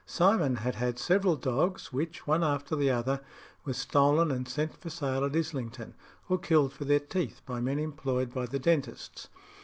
Simon had had several dogs, which, one after the other, were stolen, and sent for sale at Islington, or killed for their teeth by men employed by the dentists.